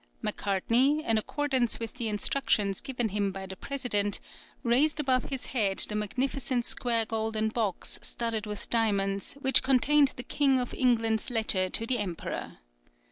Macartney, in accordance with the instructions given him by the president, raised above his head the magnificent square golden box studded with diamonds, which contained the King of England's letter to the emperor.